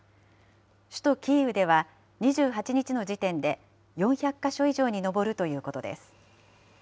首都キーウでは２８日の時点で４００か所以上に上るということです。